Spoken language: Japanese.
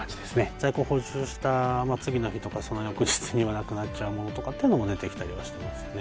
在庫を補充した次の日とか、その翌日にはなくなっちゃうものとかっていうのも出てきたりはしてますね。